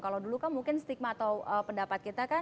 kalau dulu kan mungkin stigma atau pendapat kita kan